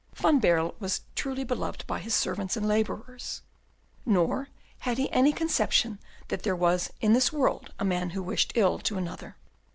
Van Baerle was truly beloved by his servants and labourers; nor had he any conception that there was in this world a man who wished ill to another.